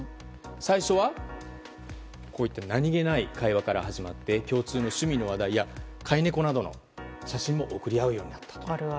最初は、こういった何気ない会話から始まって共通の趣味の話題や飼い猫などの写真も送り合うようになったと。